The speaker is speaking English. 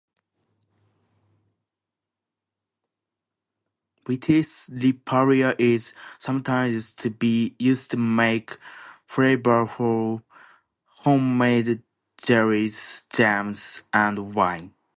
"Vitis riparia" is sometimes used to make flavorful homemade jellies, jams, and wine.